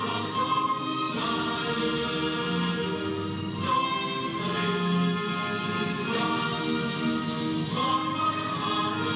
ต้องการให้รักสั้นที่ไม่เพาทศาลโยน